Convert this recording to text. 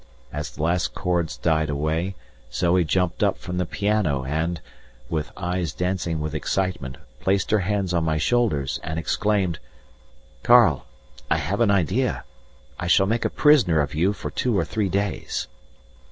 As the last chords died away, Zoe jumped up from the piano and, with eyes dancing with excitement, placed her hands on my shoulders and exclaimed: "Karl! I have an idea! I shall make a prisoner of you for two or three days."